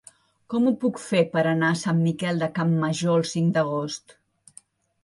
Com ho puc fer per anar a Sant Miquel de Campmajor el cinc d'agost?